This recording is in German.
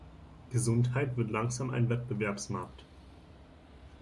Gesundheit wird langsam ein Wettbewerbsmarkt.